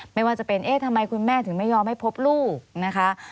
ไม่ว่าจะเป็นเอ๊ะทำไมคุณแม่ถึงไม่ยอมให้พบลูกนะคะ